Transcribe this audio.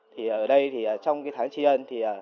thì ở đây trong cái tháng tri ân